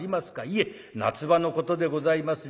『いえ夏場のことでございます。